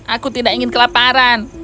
aku tidak ingin kelaparan